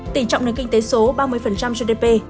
tỉ trọng nền kinh tế số ba mươi gdp